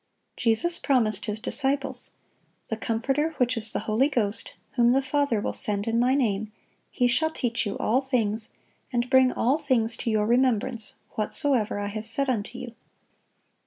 (1035) Jesus promised His disciples, "The Comforter, which is the Holy Ghost, whom the Father will send in My name, He shall teach you all things, and bring all things to your remembrance, whatsoever I have said unto you."